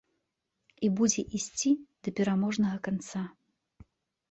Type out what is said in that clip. І будзе ісці да пераможнага канца.